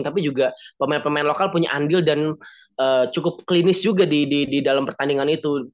tapi juga pemain pemain lokal punya andil dan cukup klinis juga di dalam pertandingan itu